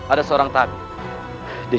ada seorang tadi